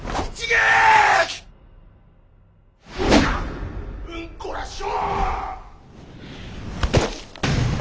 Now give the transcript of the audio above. ・うんこらしょ！